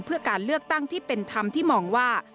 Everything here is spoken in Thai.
เพื่อการเลือกตั้งที่เป็นธรรมที่มองว่า